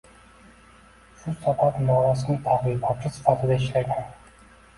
Shu sabab norasmiy targ‘ibotchi sifatida ishlagan.